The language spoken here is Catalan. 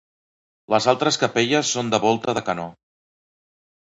Les altres capelles són de volta de canó.